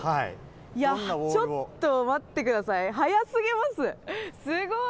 いや、ちょっと待ってください、速すぎます。